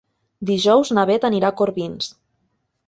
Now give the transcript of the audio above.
Dijous na Beth anirà a Corbins.